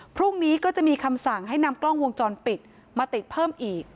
พรุ่งนี้ก็จะมีคำสั่งให้นำกล้องวงจรปิดมาติดเพิ่มอีก